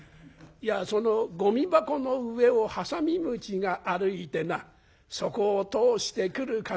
「いやそのゴミ箱の上をハサミムシが歩いてなそこを通してくる風